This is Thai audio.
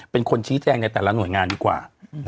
เป็นคนชี้แจงในแต่ละหน่วยงานดีกว่า